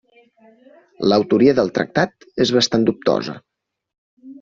L'autoria del tractat és bastant dubtosa.